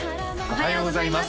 おはようございます